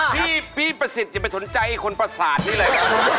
พี่ประสิทธิ์อย่าไปสนใจคนประสาทนี่แหละ